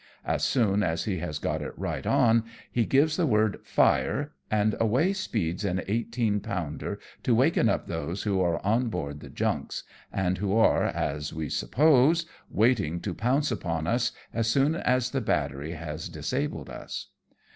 As soon as he has got it right on, he gives the word " fire," and away speeds an eighteen pounder to waken up those who are on board the junks, and who are, as we suppose, waiting to pounce upon us as soon as the battery has disabled us.